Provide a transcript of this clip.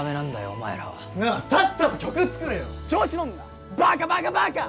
お前らはならさっさと曲作れよ調子のんなバーカバーカバーカ！